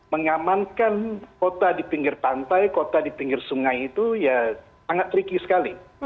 mengamankan kota di pinggir pantai kota di pinggir sungai itu ya sangat tricky sekali